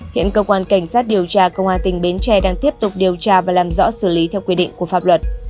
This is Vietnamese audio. hiện cơ quan cảnh sát điều tra công an tỉnh bến tre đang tiếp tục điều tra và làm rõ xử lý theo quy định của pháp luật